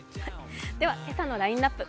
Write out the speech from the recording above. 今朝のラインナップ